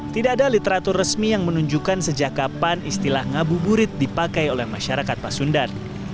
tidak ada literatur resmi yang menunjukkan sejak kapan istilah ngabuburit dipakai oleh masyarakat pasundan